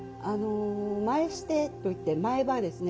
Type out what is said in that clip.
前シテと言って前場ですね